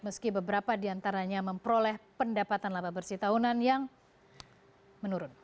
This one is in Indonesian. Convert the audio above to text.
meski beberapa diantaranya memperoleh pendapatan laba bersih tahunan yang menurun